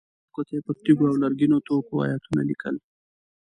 خلکو ته یې پر تیږو او لرګینو توکو ایتونه لیکل.